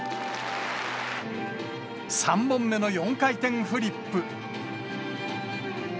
３本目の４回転フリップ。